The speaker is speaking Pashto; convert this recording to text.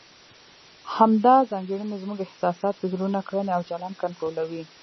همدا ځانګړنې زموږ احساسات، فکرونه، کړنې او چلند کنټرولوي.